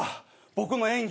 僕の演技。